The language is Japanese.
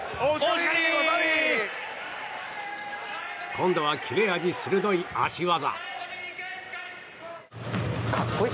今度は切れ味鋭い足技。